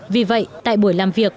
vì vậy tại buổi làm việc